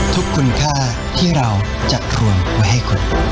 ทุกคุณค่าที่เราจะทวงไว้ให้คุณ